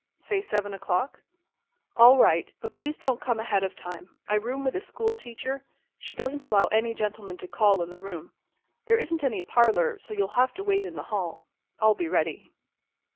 "Say seven o'clock." "All right, but please don't come ahead of time. I room with a school teacher, and she doesn't allow any gentlemen to call in the room. There isn't any parlor, so you'll have to wait in the hall. I'll be ready."